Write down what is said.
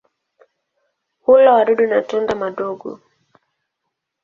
Hula wadudu na tunda madogo.